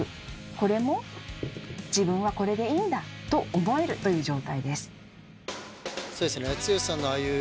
これも「自分はこれでいいんだ！」と思えるという状態です。